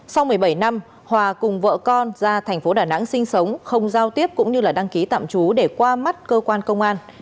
sau một mươi bảy năm hòa cùng vợ con ra thành phố đà nẵng sinh sống không giao tiếp cũng như đăng ký tạm trú để qua mắt cơ quan công an